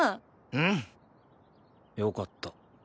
うん！よかった。